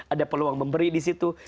ada peluang memberi disitu